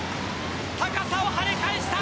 高さを跳ね返した。